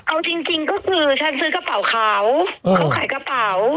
เอาจริงจริงก็คือฉันซื้อกระเป๋าเขาเขาขายกระเป๋า